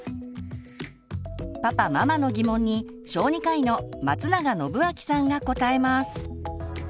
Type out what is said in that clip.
パパママの疑問に小児科医の松永展明さんが答えます。